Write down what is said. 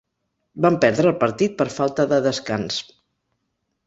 Van perdre el partit per falta de descans.